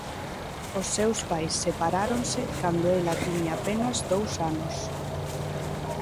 Os seus pais separáronse cando ela tiña apenas dous anos.